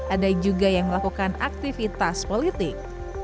ada juga yang melakukan aktivitas politik